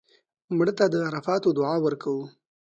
مړه ته د عرفاتو دعا ورکوو